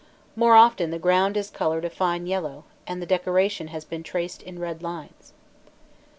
More often the ground is coloured a fine yellow, and the decoration has been traced in red lines.